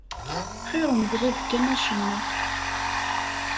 Xir umeḍlab kan acemma.